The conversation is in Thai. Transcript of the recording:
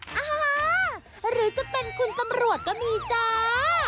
อ่าหรือจะเป็นคุณตำรวจก็มีจ้า